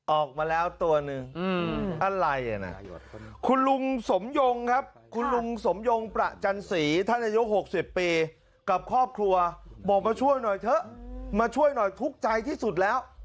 ออกมาแล้วตัวหนึ่งอะไรนะคุณลุงสมยงครับคุณลุงสมยงประจันสีท่านอายุ๖๐ปีกับครอบครัวบอกมาช่วยหน่อยเถอะมาช่วยหน่อยทุกข์ใจที่สุดแล้ว